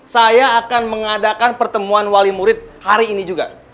saya akan mengadakan pertemuan wali murid hari ini juga